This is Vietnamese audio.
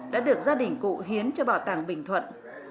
đã được gia đình cụ hiến cho bảo tàng bình thuận